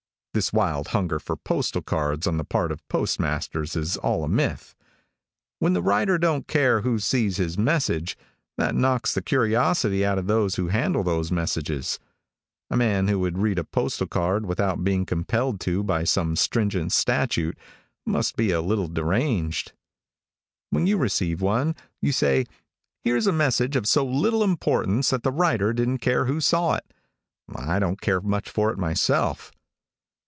This wild hunger for postal cards on the part of postmasters is all a myth. When the writer don't care who sees his message, that knocks the curiosity out of those who handle those messages. A man who would read a postal card without being compelled to by some stringent statute, must be a little deranged. When you receive one, you say, "Here's a message of so little importance that the writer didn't care who saw it. I don't care much for it, myself."